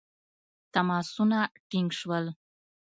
تماسونه ټینګ شول.